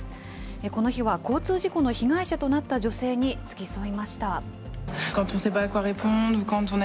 この日は交通事故の被害者となった女性に付き添いました。